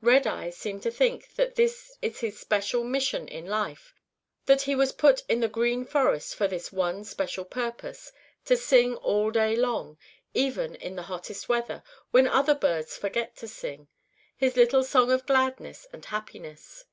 Redeye seems to think that this is his special mission in life, that he was put in the Green Forest for this one special purpose, to sing all day long, even in the hottest weather when other birds forget to sing, his little song of gladness and happiness.